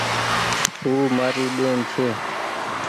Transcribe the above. او مآري ٻين ڇي۔